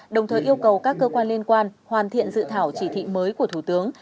đồng thời yêu cầu các cơ quan liên quan hoàn thiện dự thảo chỉ thị mới của thủ tướng